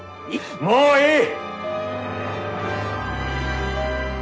もういい！